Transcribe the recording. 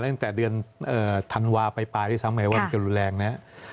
แล้วตั้งแต่เดือนธันวาค์ไปที่สัมมัยวันก็แรงนะ